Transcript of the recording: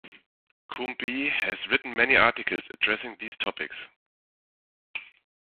Coombe has written many articles addressing these topics.